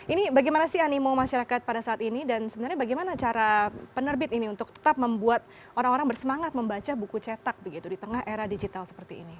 ini bagaimana sih animo masyarakat pada saat ini dan sebenarnya bagaimana cara penerbit ini untuk tetap membuat orang orang bersemangat membaca buku cetak begitu di tengah era digital seperti ini